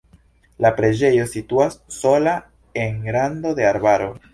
La preĝejo situas sola en rando de arbaro.